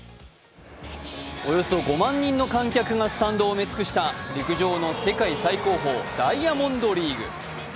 およそ５万人の観客がスタンドを埋め尽くした陸上の世界最高峰、ダイヤモンドリーグ。